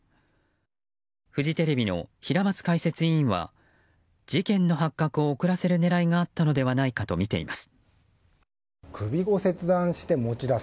フジテレビの平松解説委員は事件の発覚を遅らせる狙いがあったのではないかとみています。